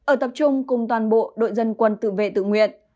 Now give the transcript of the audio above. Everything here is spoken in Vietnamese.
ở tập trung cùng toàn bộ đội dân quân tự vệ tự nguyện